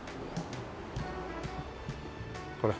これ。